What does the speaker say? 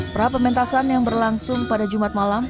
pra pementasan yang berlangsung pada jumat malam